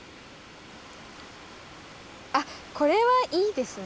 あっこれはいいですね。